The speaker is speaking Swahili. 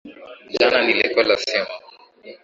Jana nilikula sima